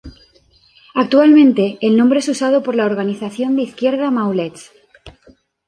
Actualmente el nombre es usado por la organización de izquierda "Maulets".